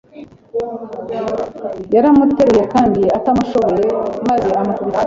yaramuteruye kandi atamushoboye mazeamukubita hasi